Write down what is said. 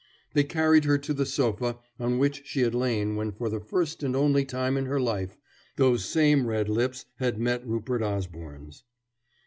They carried her to the sofa on which she had lain when for the first and only time in her life those same red lips had met Rupert Osborne's.